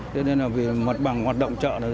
thế nên là vì mặt bằng hoạt động chợ